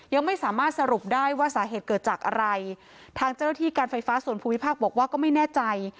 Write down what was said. ยังไม่สามารถสรุปได้ว่าสาเหตุเกิดจากอะไรทางเจ้าหน้าที่การไฟฟ้าส่วนภูมิภาคบอกว่าก็ไม่แน่ใจ